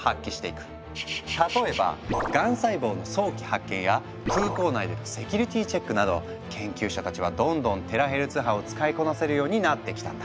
例えばがん細胞の早期発見や空港内でのセキュリティチェックなど研究者たちはどんどんテラヘルツ波を使いこなせるようになってきたんだ。